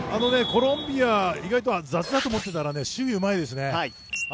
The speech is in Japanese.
コロンビア、意外と雑だと思っていたら守備、うまいですね。